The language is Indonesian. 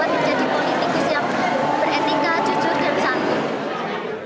untuk kedepannya saya dapat menjadi politikus yang beretika jujur dan sanggup